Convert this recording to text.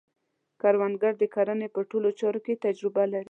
کروندګر د کرنې په ټولو چارو کې تجربه لري